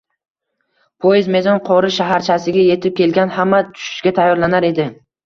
Poezd Mezon-Qori shaharchasiga etib kelgan, hamma tushishga tayyorlanar edi